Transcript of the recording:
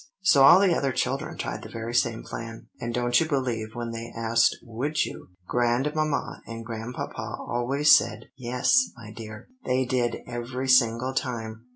So all the other children tried the very same plan; and don't you believe when they asked 'Would you?' Grandmamma and Grandpapa always said 'Yes, my dear.' They did every single time.